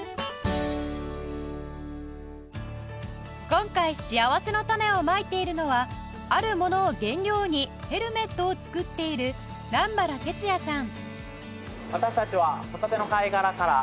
今回しあわせのたねをまいているのはあるものを原料にヘルメットを作っている南原徹也さん